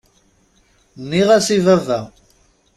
Nniɣ-as i baba.